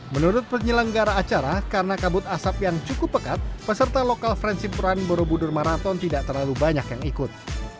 menurut penyelenggara acara karena kabut asap yang cukup pekat peserta lokal friendship run borobudur marathon tidak terlalu banyak yang ikut